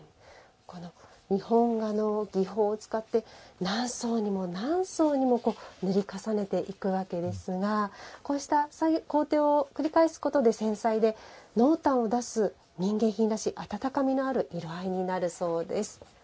日本画の技法を使って何層にも何層にも塗り重ねていくわけですがこうした工程を繰り返すことで繊細で濃淡を出す民芸品らしい温かみのある色合いになるそうです。